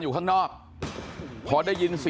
โอ้โหยังไม่หยุดนะครับ